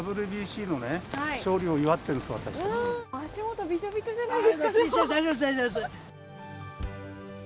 足元、びしょびしょじゃないですか。